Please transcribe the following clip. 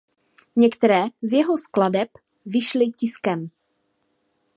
Některé z jeho skladeb vyšly tiskem.